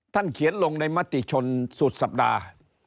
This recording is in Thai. เขียนลงในมติชนสุดสัปดาห์